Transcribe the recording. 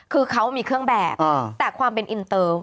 คือเขามีเครื่องแบบแต่แบบว่าอินเตอร์